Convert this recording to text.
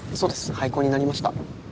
廃校になりました。